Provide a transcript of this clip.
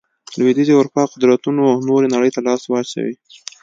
لوېدیځې اروپا قدرتونو نورې نړۍ ته لاس واچوي.